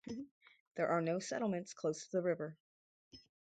There are no settlements close to the river.